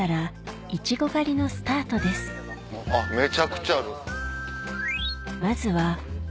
あっめちゃくちゃある。